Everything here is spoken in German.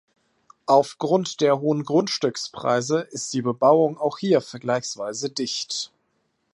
Auf Grund der hohen Grundstückspreise ist die Bebauung auch hier vergleichsweise dicht.